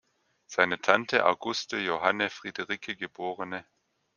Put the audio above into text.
Seine Tante Auguste Johanne Friederike geb.